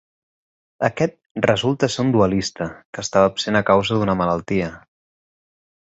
Aquest resulta ser un duelista, que estava absent a causa d'una malaltia.